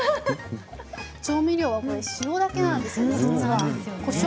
調味料は塩だけなんです。